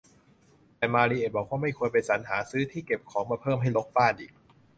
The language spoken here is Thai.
แต่มาริเอะบอกว่าไม่ควรไปสรรหาซื้อที่เก็บของมาเพิ่มให้รกบ้านอีก